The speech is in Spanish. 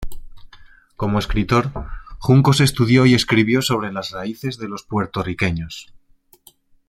Como escritor, Juncos estudió y escribió sobre las raíces de los puertorriqueños.